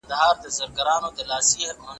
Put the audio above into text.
هغه سړي وویل چي مغل پاچا تېر سوی دی.